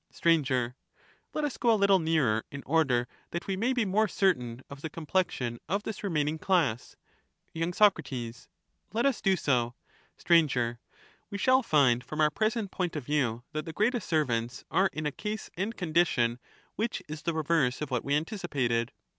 rivals of Str, Let us go a little nearer, in order that we may be the king, more certain of the complexion of this remaining class. y. Soc, Let us do so. Sir. We shall find from our present point of view that But slaves the greatest servants are in a case and condition which is the ^^ulm^^ reverse of what we anticipated.